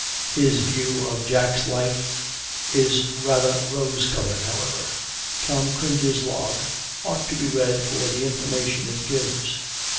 His view of Jack's life is rather rose colored however. "Tom Cringle's log" ought to be read for the information it gives.